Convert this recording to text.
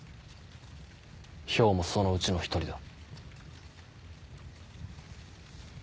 漂もそのうちの１人だ。